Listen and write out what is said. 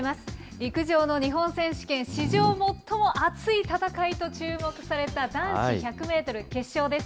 陸上の日本選手権、史上最も熱い戦いと注目された男子１００メートル決勝です。